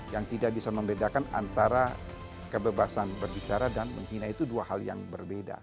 yang tidak bisa membedakan antara kebebasan berbicara dan menghina itu dua hal yang berbeda